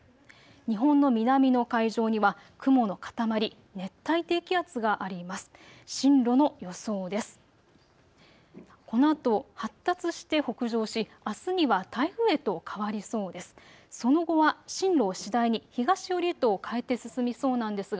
日本の南の海上には雲の塊、熱帯低気圧があります。